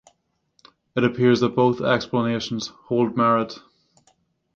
It appears that both explanations hold merit.